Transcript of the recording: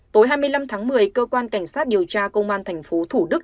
tối hai mươi năm tháng một mươi cơ quan cảnh sát điều tra công an thành phố thủ đức